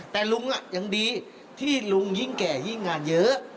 แต่ลุงยังดีที่ลุงยิ่งแก่ยิ่งงานเยอะ